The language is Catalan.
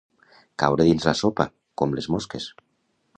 Caure dins la sopa, com les mosques.